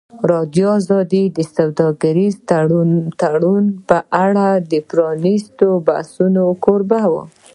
ازادي راډیو د سوداګریز تړونونه په اړه د پرانیستو بحثونو کوربه وه.